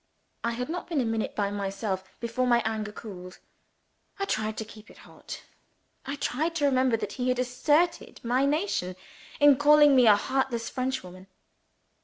I had not been a minute by myself, before my anger cooled. I tried to keep it hot; I tried to remember that he had aspersed my nation in calling me a "heartless Frenchwoman."